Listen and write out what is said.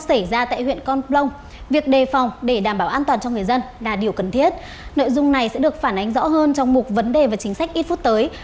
xin chào và hẹn gặp lại